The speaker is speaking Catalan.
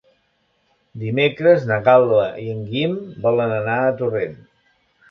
Dimecres na Gal·la i en Guim volen anar a Torrent.